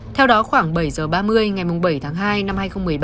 theo đó khoảng bảy h ba mươi ngày bảy tháng hai năm hai nghìn một mươi ba